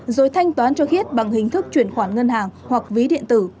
rồi thanh toán cho khiết bằng hình thức chuyển khoản ngân hàng hoặc ví điện tử